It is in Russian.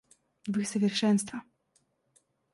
Вы совершенство.